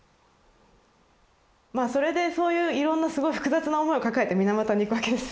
それでそういういろんなすごい複雑な思いを抱えて水俣に行くわけですよ。